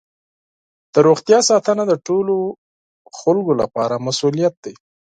د روغتیا ساتنه د ټولو افرادو لپاره مسؤولیت دی.